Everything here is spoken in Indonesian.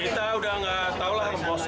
kita sudah tidak tahu lah bos